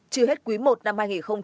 chưa hết quý i năm hai nghìn hai mươi bốn